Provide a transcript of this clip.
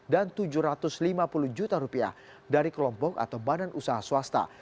dan tujuh ratus lima puluh juta rupiah dari kelompok atau badan usaha swasta